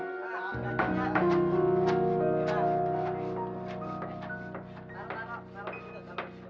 eh taruh taruh